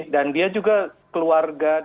dan dia juga keluarga